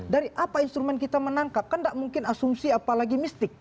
dari apa instrumen kita menangkap kan tidak mungkin asumsi apalagi mistik